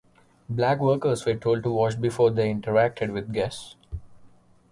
Black workers were told to wash before they interacted with guests.